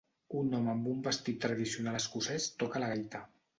Un home amb un vestit tradicional escocès toca la gaita.